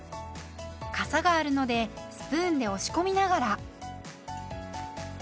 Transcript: かさがあるのでスプーンで押し込みながら。